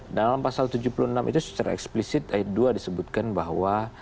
dalam pasal tujuh puluh enam itu secara eksplisit ayat dua disebutkan bahwa